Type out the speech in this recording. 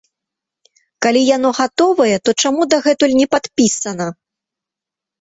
Калі яно гатовае, то чаму дагэтуль не падпісана?